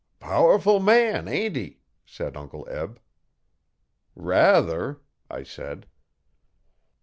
'Powerful man ain't he?' said Uncle Eb. 'Rather,' I said.